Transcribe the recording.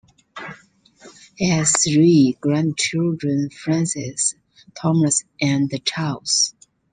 He has three grandchildren, Frances, Thomas and Charles.